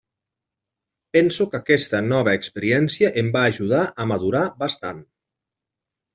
Penso que aquesta nova experiència em va ajudar a madurar bastant.